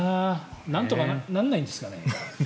なんとかならないんですか？